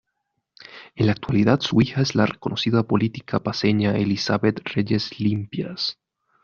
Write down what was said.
En la actualidad su hija es la reconocida política paceña Elizabeth Reyes Limpias.